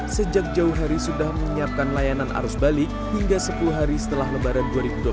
sejak jauh hari sudah menyiapkan layanan arus balik hingga sepuluh hari setelah lebaran dua ribu dua puluh